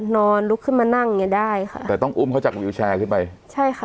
นอนลุกขึ้นมานั่งอย่างเงี้ได้ค่ะแต่ต้องอุ้มเขาจากวิวแชร์ขึ้นไปใช่ค่ะ